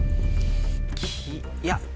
いや。